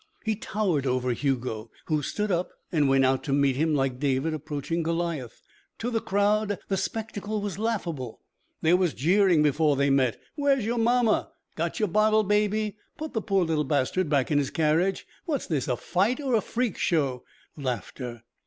He towered over Hugo, who stood up and went out to meet him like David approaching Goliath. To the crowd the spectacle was laughable. There was jeering before they met. "Where's your mamma?" "Got your bottle, baby?" "Put the poor little bastard back in his carriage." "What's this a fight or a freak show?" Laughter.